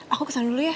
aku kesana dulu ya